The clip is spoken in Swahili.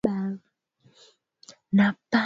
Vitongoji elfu tatu mia saba ishirini na nane